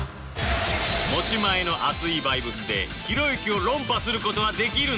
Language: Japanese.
持ち前の熱いバイブスでひろゆきを論破する事はできるのか？